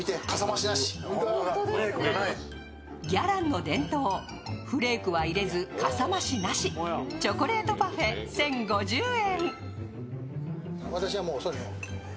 ギャランの伝統、フレークは入れずかさ増しなし、チョコレートパフェ１０５０円。